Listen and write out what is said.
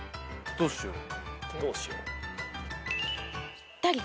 「どうしよう」！？